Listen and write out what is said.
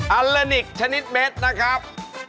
อัลลานิกชนิดเม็ดนะครับ